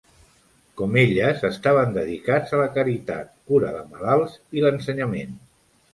Com elles, estaven dedicats a la caritat, cura de malalts i l'ensenyament.